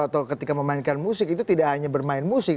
atau ketika memainkan musik itu tidak hanya bermain musik